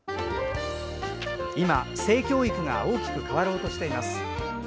今、性教育が大きく変わろうとしています。